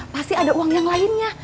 pasti ada uang yang lainnya